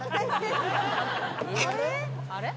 あれ？